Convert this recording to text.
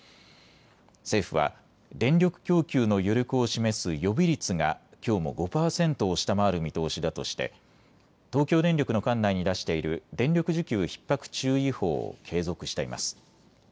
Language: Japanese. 政府は電力供給の余力を示す予備率がきょうも５％を下回る見通しだとして東京電力の管内に出している電力需給ひっ迫注意報を継続しています。